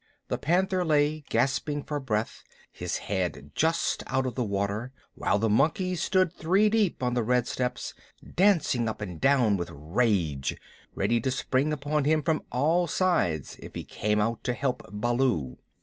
The Panther lay gasping for breath, his head just out of the water, while the monkeys stood three deep on the red steps, dancing up and down with rage, ready to spring upon him from all sides if he came out to help Baloo.